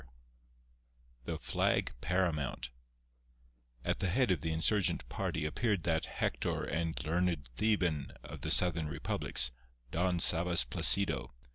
IX THE FLAG PARAMOUNT At the head of the insurgent party appeared that Hector and learned Theban of the southern republics, Don Sabas Placido.